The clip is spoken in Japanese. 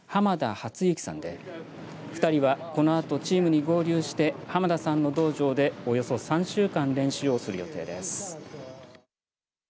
初幸さんで２人はこのあとチームに合流して濱田さんの道場でおよそ３週間練習をする予定です。